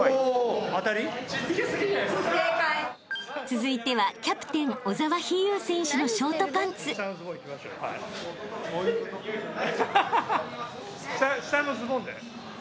［続いてはキャプテン小澤飛悠選手のショートパンツ］下のズボンだよね？